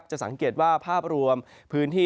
จะสังเกตว่าภาพรวมพื้นที่